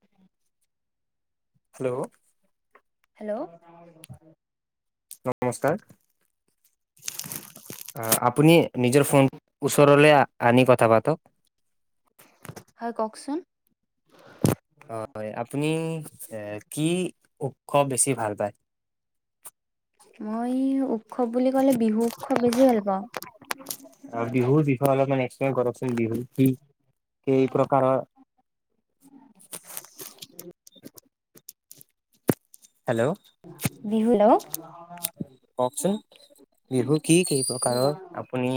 উ হেল্ল' ন নমস্কাৰ আপুনি নিজৰ ফোন ওচৰলৈ আনি কথা পাতক হয় কওকচোন অ আপুনি এ কি খুব বেছি ভাল পায় মই ও আৰু বিহুৰ বিষয়ে অলপমান এক্ কৰকচোন বিহু কি কেই প্ৰকাৰৰ হেল্ল' বিহু ল অ কওকচোন বিহু কি কেই প্ৰকাৰৰ আপুনি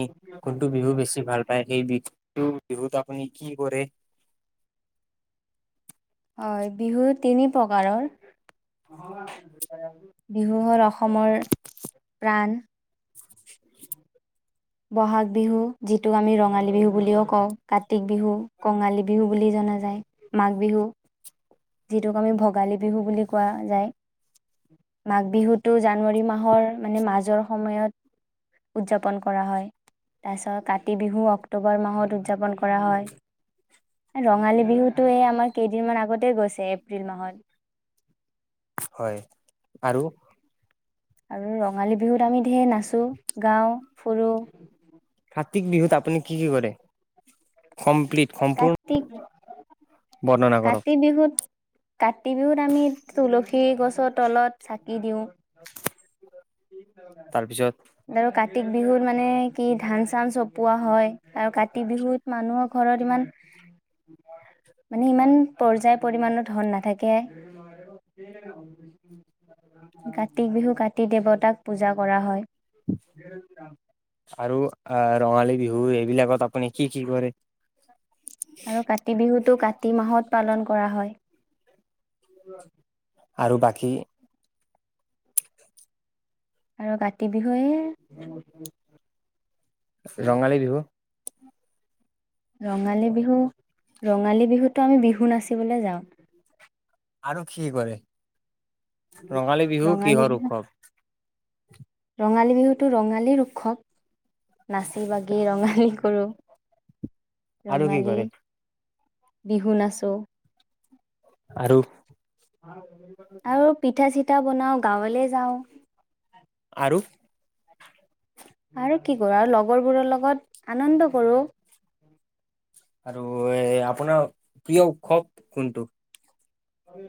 কোনটো বিহু বেছি ভাল পায় সেই বি বিহুত আপুনি কি কৰে হয় বিহু তিনি প্ৰকাৰৰ বিহু হ'ল অসমৰ প্ৰাণ বহাগ বিহু যিটোক আমি ৰঙালী বিহু বুলিও কওঁ কাতিক বিহু কঙালী বিহু বুলি জনা যায় মাঘ বিহু যিটোক আমি ভোগালী বিহু বুলি কোৱা যায় মাঘ বিহুটো জানুৱাৰী মাহৰ মানে মাজৰ সময়ত উদযাপন কৰ কৰা হয় তাৰপিছত কাতি বিহু অক্টোবৰ মাহত উদযাপন কৰা হয় ৰঙালী বিহুটো এই আমাৰ কেইদিনমান আগতে গৈছে এপ্ৰিল মাহত হয়, আৰু আৰু ৰঙালী বিহুত আমি ধেৰ নাচোঁ গাওঁ ফুৰোঁ কাতি বিহুত আপুনি কি কি কৰে কম কাটি কিও বৰ্ণনা কৰক কাতি বিহুত কাতি বিহুত আমি তুলসী সি গছৰ তলত চাকি দিওঁ তাৰপিছত দ কা কাতি বিহুত মানে কি ধান চান চপোৱা হয় আৰু কাতি বিহুত মানুহৰ ঘৰত ইমান মানে ইমান পৰ্যায় পৰিমানণৰ ধন নাথাকে কাতি বিহু কাতি দেৱতাক পূজা কৰা হয় [unintelligible] আৰু আহ ৰঙালী বিহু এইবিলাকত আপুনি কি কি কৰে আৰু কাতি বিহুতটো কাতি মাহত পালন কৰা হয় আৰু বাকী আৰু কাতি বিহুৱে ৰঙালী বিহু ৰঙালী বিহু ৰঙালী বিহুতো আমি বিহু নাচিবলৈ যাওঁ আৰু খি কৰে ৰঙালী বিহু কিহৰ উৎসৱ ৰঙালী বিহুতটো ৰঙালী উৎসৱ নাচি বাগি ৰঙালী কৰোঁ আৰু কি কৰে বিহু নাচোঁ আৰু আৰু পিঠা চিঠা বনাও গাঁৱলৈ যাওঁ আৰু আৰু কি কৰো আৰু লগৰবোৰৰ লগত আনন্দ কৰোঁ আৰু আপোনাৰ প্ৰিয় উৎসৱ কোনটো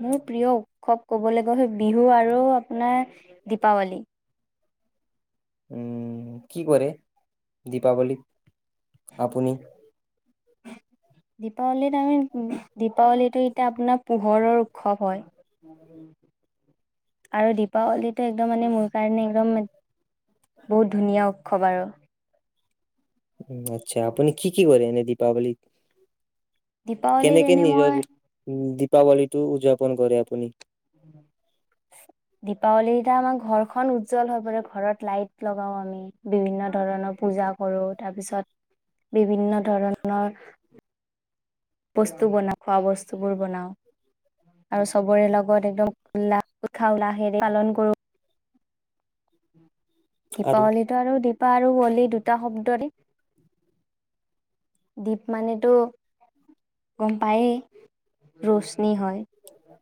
মোৰ প্ৰিয় উৎসৱ ক'বলৈ গলে' বিহু আৰু আপোনাৰ দীপাৱলী উম কি কৰে দীপাৱলীত আপুনি দীপাৱলীত আমি দীপাৱলীটো এতিয়া আপোনাৰ পোহৰৰ উৎসৱ হয় আৰু দীপাৱলীটো একদম মানে মোৰ কাৰণে একদম বহুত ধুনীয়া উৎসৱ আৰু উ আচ্ছা আপুনি কি কি কৰে এনে দীপাৱলী দীপাৱলীত কেনেকে এনে মই নিজৰ দীপাৱলী টো উদযাপন কৰে আপুনি দীপাৱলীটে আমাৰ ঘৰখন উজ্জ্বল হৈ পৰে ঘৰত লাইট লগাও আমি বিভিন্ন ধৰণৰ পূজা কৰো তাৰপিছত বিভিন্ন ধৰণৰ বস্তু বনা খোৱা বস্তু বোৰ বনাও আৰু চবৰে লগত একদম উ উৎসাহ উললাহেৰে পালন কৰো উম আৰু দীপাৱলী আৰু দীপা আৰু বলি দুটা শব্দ দপ দ্বীপ মানেতো গম পায়েই ৰ'ষ্ট পত্নী হয়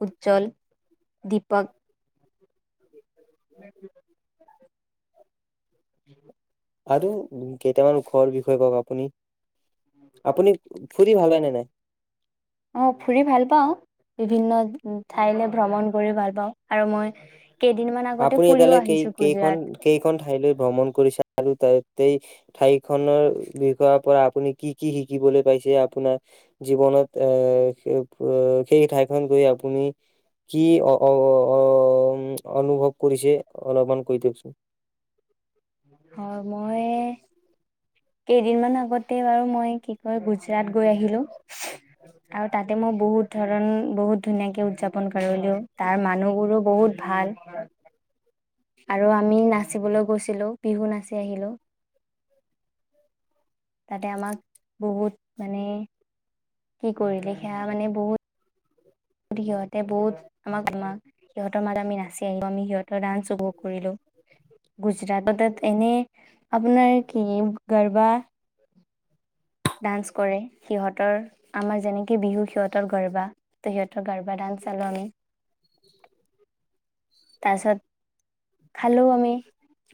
উজ্জ্বল দীপক [unintelligible] উম আৰু কেইটামান ওখৰ বিষয়ে কওক আপুনি। ‌ আপুনি- ভাল হয় ন নাই? অ ফুৰি ভাল পাওঁ, বিভিন্ন- উ খাইলে ভ্ৰমণ কৰি ভাল পাওঁ আৰু মই কেইদিনমান আগতে আপুনি ফুৰিও এতিয়ালৈ কেই আহিছো কেইখন গুজৰাট কেইখন ঠাইলৈ ভ্ৰমণ কৰিছে- ততেই- ঠাইখনৰ বিষয়- পৰা আপুনি কি কি শিকিবলৈ পাইছে আপোনাৰ জীৱনত এ সেই ঠাইখন গৈ আপুনি কি অ- অনুভৱ কৰিছে, অলপমান কৈ দিয়কচোন হয় মই কেইদিনমান আগতে বাৰু মই কি কয় গুজৰাট গৈ আহিলো আৰু তাতে মই বহুত ধৰণ বহুত ধুনীয়াকে উদযাপন কৰিলো তাৰ মানুহবোৰো বহুত ভাল আৰু আমি নাচিবলৈ গৈছিলো বিহু নাচি আহিলোঁ- তাতে আমাক বহুত মানে কি কৰিলে সেয়া মানে বহুত- সিহঁতে বহুত আমাক আমাক সিহঁতৰ ম [unintelligible] আি নাছিল আমি সিহঁতৰ ডান্স উপভোগ কৰিলো গুজৰাট এনে আপোনাৰ কি- গৰবা ডান্স কৰে সিহঁতৰ আমাৰ যেনেকে বিহু সিহঁতৰ গৰবা ত সিহঁতৰ গাৰ্বা ডান চালো আমি উ [inaudible] তাৰপিছত খালো আমি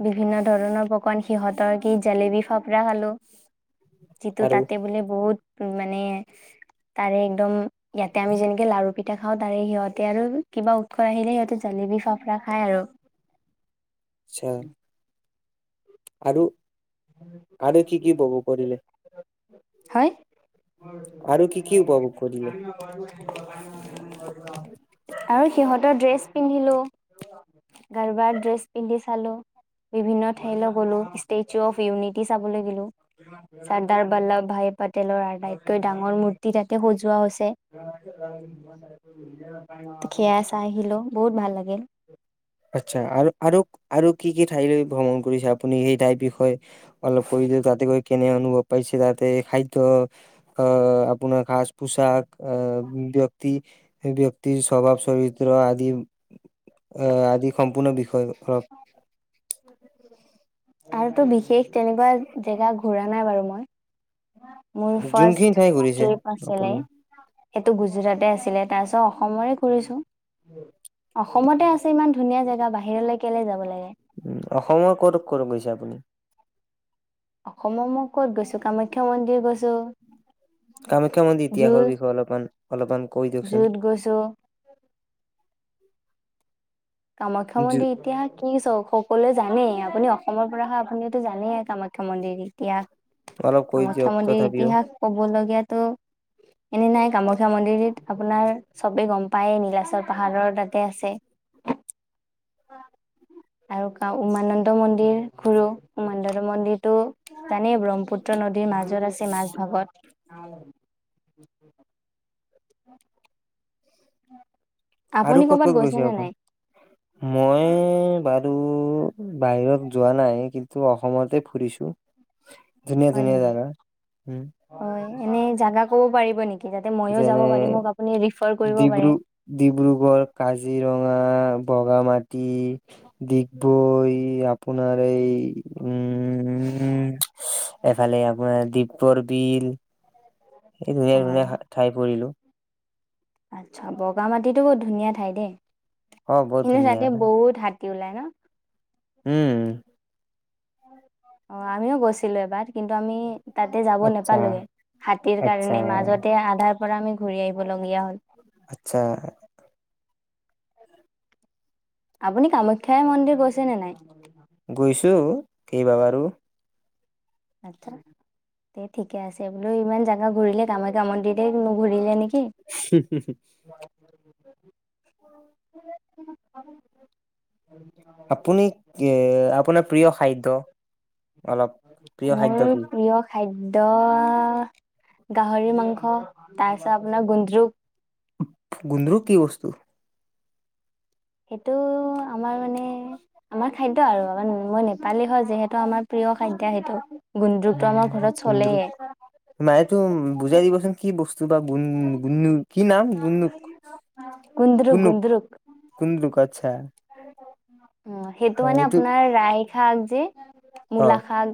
বিভিন্ন ধৰণৰ পকান সিহঁতৰ কি জেলেবিী ফাপৰা খালো যিটো আৰু তাতে বোলে বহুত- উ মানে তাৰে একদম ইয়াতে আমি যেনেক লাৰু পিঠা খাওঁ তাৰে সিহঁতে আৰু কিবা উৎসৰ আহিলে সিহঁতে জালেবি- চফৰা খাই আৰু- চা আৰু- আৰু কি কি কব কৰিলে হয় আৰু কি কি উপভোগ কৰিলে আৰু সিহঁত টা ড্ৰেছ পিন্ধিলো গাৰবাৰ ড্ৰেছ পিন্ধি চালো বিভিন্ন ঠাইলৈ গলো ষ্টেচু অফ ইউনিটি চাবলৈ গিলো চৰ্দাৰ বল্লভ ভাই পটেলৰ আটাইতকৈ ডাঙৰ মূৰ্তি তাতে সজোৱা হৈছে সেয়া চাই আহিলো বহুত ভাল লাগিল। আচ্ছা আৰু আৰু আৰু কি কি ঠাইলৈ ভ্ৰমণ কৰিছে আপুনি সেই ঠাইৰ বিষয়ে অলপ কৰিলেও তাতে গৈ কেনে অনুভৱ পাইছে, তাতে খাদ্য আহ আপোনাৰ সাজ পোচাক আহ ব্যক্তি- স্বভাৱ চৰিত্ৰ আদি- অ যি সম্পূৰ্ণ বিষয় অলপ আৰুটো বিশেষ তেনেকুৱা জেগা ঘুৰা নাই বাৰু মই মোৰ যোনখিনি ফাৰ্ষ্ট ঠাই ঘূৰিছে ট্ৰিপ আছিলে আপুনি সেইটো গুজৰাট আছিলে তাৰছত অসমৰে কৰিছো অসমতে আ- ইমান ধুনীয়া জেগা বাহিৰলৈ কেলে যাব লাগে উম, অসমৰ ক'তো ক'ত গৈছে আপুনি? অসমৰ মই ক'ত গৈছো কামাখ্যা মন্দিৰ গৈছো কামাখ্যা মন্দিৰ জু ইতিহাসৰ বিষয়ে অলপমান অলপমান কৈ দিয়কচোন? জুত গৈছো কামাখ্যা জু- মন্দিৰ ইতিহাস কি চ হলে জানেই আপুনি অসমৰ পৰা হয় আপুনিটো জানেই কামাখ্যা মন্দিৰ এতিয়া অলপ কৈ দিয়ক কামাখ্যাামন্দিৰ তথাপিও ইতিহাস কব লগীয়াতো এনে নাই কামাখ্যা মন্দিৰত আপোনাৰ চবে গম পায়েই নীলাচৰ পাহাৰৰ তাতে আছে অ [unintelligible] আৰু ক উমানন্দ মন্দিৰ ঘূুৰো উমানন্দ মন্দিৰতটো জানেই ব্ৰহ্মপুত পুত্ৰ নদীৰ মাজত আছে মাজ ভাগত অ [unintelligible] উম [unintelligible] উ [unintelligible] আৰু ক'ত ক'ত গৈছে আপোনা? মই ভা- টো বাহিৰত যোৱা নাই কিন্তু অসমতে ফুৰিছো ধুনীয়া হয় ধুনীয়া নেকি জাগা, উম হয় এনেই জাগা ক'ব পাৰিব নেকি? যাতে ময়ো যাব যেনে পাৰিম মোক আপুনি ৰিফাৰ কৰিব পাৰে ডিব্ৰু ডিব্ৰুগড় কাজিৰ- ৰঙা, বগামাটি, ডগবৈ আপোনাৰ এই উম এফালে আপোনাৰ দিপৰ বিল ধুনীয়া অ ধুনীয়া ঠাই ফুৰিলো আচ্ছা বগা মাটিতো বহুত ধুনীয়া ঠাই দেই অ বহুত কিন্তু ধুনীয়া তাতে বহুত হাত- তি ওলাই ন? উম। অ', আমিও গৈছিলো এবাৰ কিন্তু আমি তাতে যাব আচ্ছা নোপালোগে হাতীৰ আচ্ছা কাৰণে মাজতে আধা পৰা আমি ঘূৰি আহিবলগীয়া হ'ল। আচ্ছা। আপুনি কামাখ্যাই মন্দিৰ গৈছেনে নাই? গৈছো কেইবাবাৰু। আচছা দে ঠিকে আছে বোলো ইমান জোগা ঘূৰিলে কামাখ্যা মন্দিৰ গেং ন ঘূৰিলে নে কি? আপুনি এ আপোনাৰ প্ৰিয় খাদ্য? অলপ প্ৰিয় মোৰ খাদ্য কি? প্ৰিয় খাদ্য গাহৰি মাংস, তাৰপিছত আপোনাৰ গুন্দ্ৰুক। গুন্দ্ৰুক কি বস্তু? সেইটো আমাৰ মানে আমাৰ খাদ্য আৰু আৰু মই নেপালী হয় যিহেতু আমাৰ প্ৰিয় খাদ্য সেইটো। গুন্দ্ৰুকটো আমাৰ উম ঘৰত চলেয়ে গুন্দ্ৰুক, মই তো বুজাই দিবচোন কি ব কি বা গুন্দ্ৰুক কি নাম গুন্দুক, গুন্দ্ৰুক গুন্দুক, গুন্দ্ৰুক গুন্দ্ৰুক আটচা। উ, সেইটো মানে আপোনাৰ লাই শাক যে অ মূলা শাক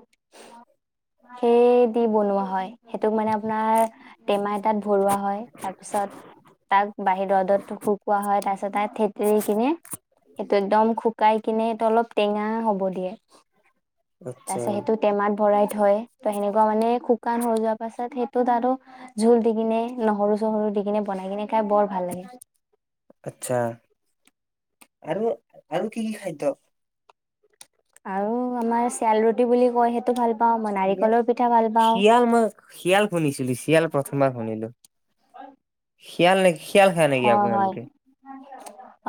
সেই দি বনোৱা হয়। টোক মানে আপোনাৰ টেমা এটাত ভৰোৱা হয় তাৰপিছত তাক বাহিৰ ৰ'দত শুকোৱা হয়। তাৰ পিছত তাক থেতেলি কিনি সেইটো একদম শুকাই কিনি সেইটো অলপ টেঙা হ'ব দিয়ে। আচ্ছা তাৰপিছত সেইটো টেমাত ভৰাই থয় সেনেকুৱা মানে শুকান হৈ যোৱা পাছত সেইটোত আৰু জোল দি কিনে নহৰু চহৰু দি কিনে বনাই কিনে খাই বৰ ভাল লাগে। আত্ছা আৰু আৰু কি কি খাদ্য? আৰু আমাৰ চিয়েল ৰুটি বুলি কয় সেইটো ভাল পাওঁ মই শিয় নাৰিকলৰ পিঠা ভাল পাওঁ শিয়াল মই শিয়াল শুনিছিলো চিয়াল প্ৰথমবাৰ শুনিলো। শিয়াল নেকি খিয়াল খাই নেকি আপোনালোকে-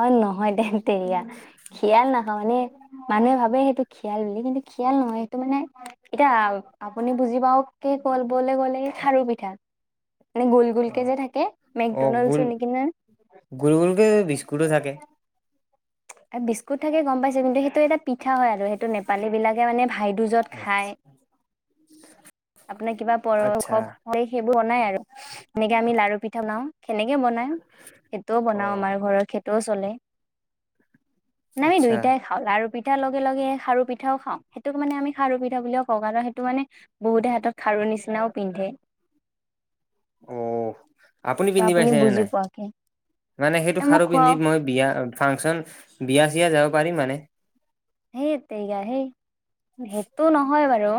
অই ন হয় ধেত তেৰিকা খিয়াল ন নহলে মানুহে ভাবে সেইটো খিয়াল বুলি কিন্তু খিয়াল নহয় সেইটো মানে এতিয়া আপুনি বুজি পাৱাকে কবলৈ গ'লে খাৰু পিঠা নে গোল গোলক কে যে থাক অ গোল মেকডনল্ছৰ নি গোল গোলকে বিস্কুটো থাকে বিস্কুট থাকে গম পাইছো কিন্তু সেইটো এটা পিঠা হয় আৰু সেইটো নেপালী বিলাকে মানে ভাইদ য'ত খায় আপোনাৰ কিবা আচ্ছা পশৱ হয় বনাই আৰু এনেকে আমি লাৰু পিঠা বনাও সেনেকে বনাই সেইটোও অ বনাও আমাৰ ঘৰৰ খে তো ও চলে না আমি আচ্ছা দুইটাই খাওঁ লাৰু পি ঠা লগে লগে খাৰু পিঠাও খাওঁ সেইটোক মানে আমি খাৰু পিঠা বুলিয়ে কওঁ আৰু সেইটো মানে বহুতে হাতত খাৰুৰ নিচিনাও পিন্ধে অ' আপুনি ত পিন্ধি পাইছেনে বুজি নাই পোৱাকে মানে সেইটো মই সাৰো পিন্ধি খুৱাও মই বিয়া ফাংচন বিয়া চিয়া যাব পাৰিম মানে সেইটেইকা সেই সেইটো নহয় বাৰু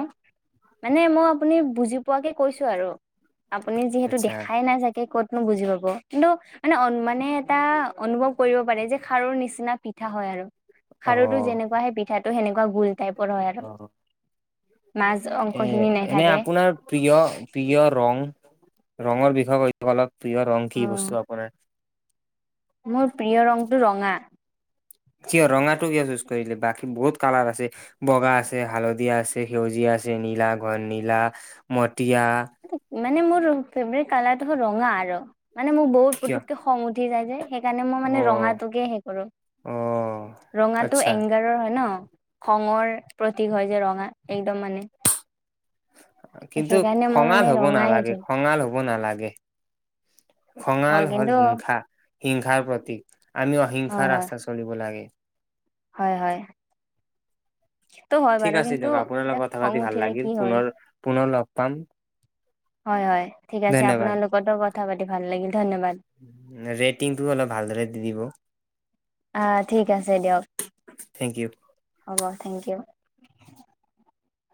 মানে মই আপুনি বুজি পোৱাকে কৈছো আৰু আপুনি যিহেতু আচ্ছা দেখাই নাই চাগে ক'ত বুজি পাব কিন্তু মানে মানে এটা অনুভৱ কৰিব পাৰে যে খাৰুৰ নিচিনা পিঠা হয় আৰু অ খাৰুটো যেনেকুৱা পিঠাটো সেনেকোৱা গুল অ মাজ অংশ এ খিনি এনে নাথাকে আপোনাৰ প্ৰিয় প্ৰিয় ৰং ৰঙৰ বিষয়ে কৈছো কলত প্ৰীয় ৰং অ কি বস্তু আপোনাৰ মোৰ প্ৰিয় ৰংটো ৰঙা কিয় ৰঙাটো কিয় বাকী বহুত কালাৰ আছে বগা আছে হালধীয়া আছে সেউজীয়া আছে নীলা ঘন নীলা ম তিয়া মানে মোৰ ফেভৰেট কালাৰটো হল ৰঙা আৰু মানে মোক বহুত কিয় পুটোকে খং উঠি যাই যে সেইকাৰণে মই অ মানে ৰঙাটোকে হে কৰো অ ৰঙাটো আচ্ছা এংগাৰৰ হয় ন খঙৰ প্ৰতীক হয় যে ৰঙা একদম মানে কিন্তু সেইকাৰণে মই খঙাল মানে হ'ব ৰঙাই নালাগে খঙাল হ'ব কাব নালাগে খঙাল হয় হল কিন্তু হিংসা হিংসাৰ প্ৰতীক আমি অহিংসা হয় হয় ৰাস্তা চলিব লাগে হয় হয় টো হয় ঠিক বাৰু আছে কিন্তু দিয়ক আপোনাৰ লগত এতিয়া কথা খং পাতি ভাল উঠিলে কি লাগিল হ'ল পুনৰ পুনৰ লগ পাম হয় হয় ঠিক আছে ধন্যবাদ আপোনালোকতো কথা পাতি ভাল লাগিল ধন্যবাদ ৰেটিংটো অলপ ভালদৰে দি দিব আহ ঠিক আছে দিয়ক থেংক ইউ হ'ব থেংকইউ